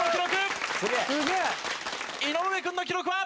井上君の記録は。